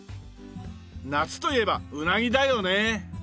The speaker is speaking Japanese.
夏といえばうなぎだよね！